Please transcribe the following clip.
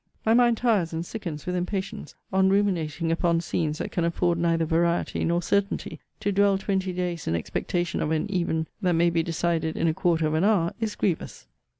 My mind tires and sickens with impatience on ruminating upon scenes that can afford neither variety nor certainty. To dwell twenty days in expectation of an even that may be decided in a quarter of an hour is grievous.